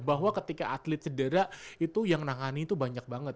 bahwa ketika atlet cedera itu yang nangani itu banyak banget